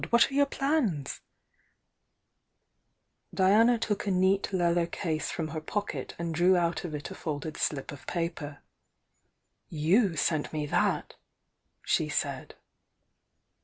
What are your planTr ^^^^ Diana took a neat leather case from her pocket and drew out of it a folded slip of paper. ^^ KoM sent me that!" she said.